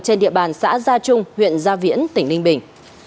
trên địa bàn xã gia trung huyện gia viễn tỉnh ninh bình